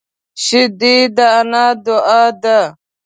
شیدې د انا دعا ده